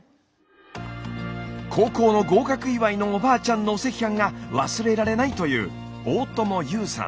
高校の合格祝いのおばあちゃんのお赤飯が忘れられないという大友侑さん。